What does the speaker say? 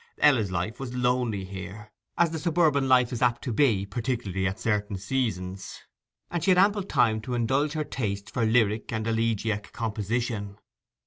Ella's life was lonely here, as the suburban life is apt to be, particularly at certain seasons; and she had ample time to indulge her taste for lyric and elegiac composition.